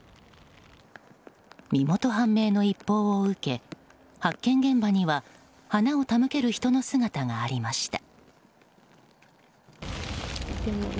身元判明の一報を受け発見現場には花を手向ける人の姿がありました。